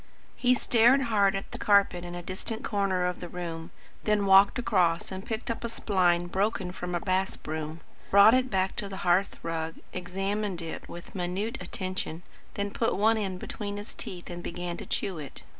He stared hard at the carpet in a distant corner of the room, then walked across and picked up a spline broken from a bass broom; brought it back to the hearth rug; examined it with minute attention; then put one end between his teeth and began to chew it.